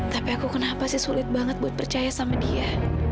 tapi aku kenapa sih sulit banget buat percaya sama dia